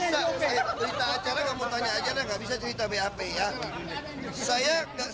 saya cerita acara kamu tanya aja nggak bisa cerita bap ya